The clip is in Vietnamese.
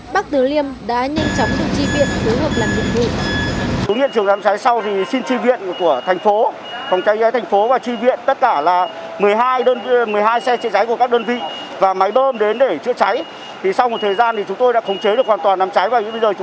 bắc tứ liêm đã nhanh chóng đưa tri viện đối hợp làm nhiệm vụ